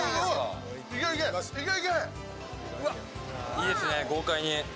いいですね、豪快に。